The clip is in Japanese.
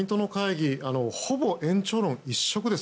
今日の自民党の会議ほぼ延長論一色です。